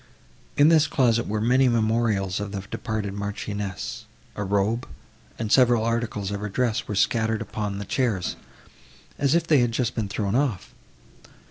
In this closet were many memorials of the departed Marchioness; a robe and several articles of her dress were scattered upon the chairs, as if they had just been thrown off.